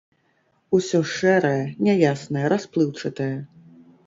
Усё шэрае, няяснае, расплыўчатае.